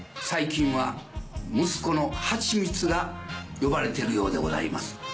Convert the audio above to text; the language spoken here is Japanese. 最近は息子の八光が呼ばれてるようでございます。